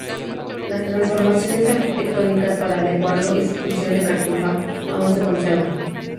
Las transformaciones arquitectónicas para adecuarlo a su función de cartuja aún se conservan.